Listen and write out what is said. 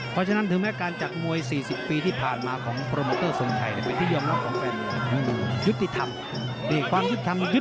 ตั้งด้านโลเมตอร์สงชัย